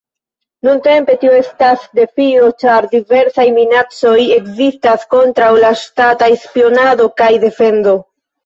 Nuntempe, tio estas defioj ĉar diversaj minacoj ekzistas kontraŭ la ŝtataj spionado kaj defendo.